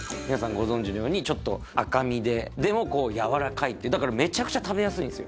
ご存じのようにちょっと赤身ででもやわらかいだからめちゃくちゃ食べやすいんです